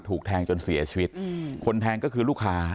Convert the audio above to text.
ถูกแทงจนเสียชีวิตคนแทงก็คือลูกค้า